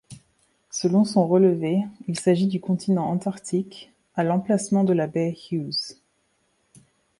Selon son relevé, il s'agit du continent Antarctique, à l'emplacement de la baie Hughes.